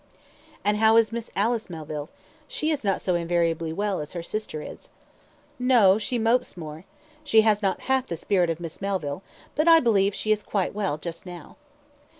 "And how is Miss Alice Melville? She is not so invariably well as her sister is." "No, she mopes more. She has not half the spirit of Miss Melville; but I believe she is quite well just now."